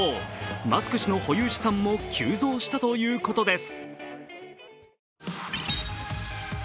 マスク氏の保有資産も急増したということです。